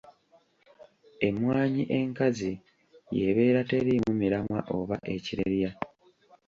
Emmwanyi enkazi y’ebeera teriimu miramwa oba ekirerya.